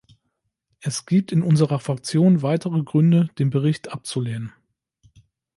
Es gibt in unserer Fraktion weitere Gründe, den Bericht abzulehnen.